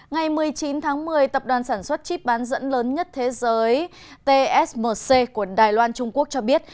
ngày một mươi chín tháng một mươi tập đoàn sản xuất chip bán dẫn lớn nhất thế giới tsmc của đài loan trung quốc cho biết